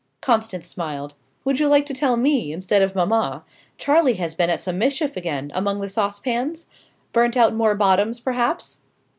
Constance smiled. "Would you like to tell me, instead of mamma? Charley has been at some mischief again, among the saucepans? Burnt out more bottoms, perhaps?"